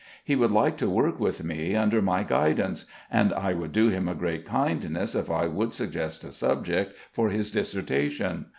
He would like to work with me, under my guidance; and I would do him a great kindness if I would suggest a subject for his dissertation.